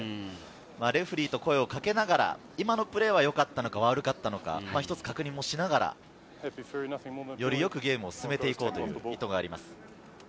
レフェリーと声をかけながら今のプレーは良かったのか悪かったのか、一つ確認をしながら、より良くゲームを進めて行こうという意図があります。